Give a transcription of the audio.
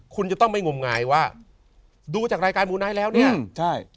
คุณจะต้องไม่งมงายว่าดูจากรายการมูไนท์แล้วเนี่ยใช่